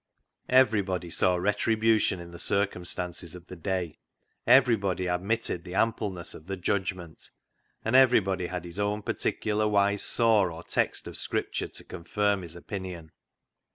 Everybody saw retribution in the circumstances of the day ; everybody ad mitted the ampleness of the "judgment"; and everybody had his own particular wise saw or text of Scripture to confirm his opinion.